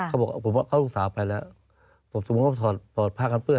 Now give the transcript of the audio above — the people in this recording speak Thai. เขาบอกว่าเขาลูกสาวไปแล้วบอกสมมติว่าพอพระคันเปื้อน